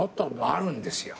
あるんですよ。